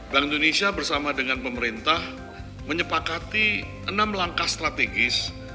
bank indonesia bersama dengan pemerintah menyepakati enam langkah strategis